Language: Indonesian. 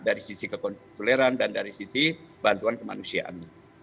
dari sisi kekonsuleran dan dari sisi bantuan kemanusiaan